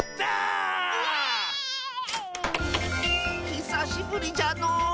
ひさしぶりじゃのう。